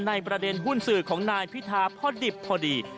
ในประเด็นหุ้นสื่อของนายพิธาพอดิบพอดี